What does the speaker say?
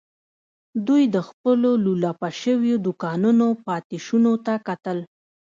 دوی د خپلو لولپه شويو دوکانونو پاتې شونو ته کتل.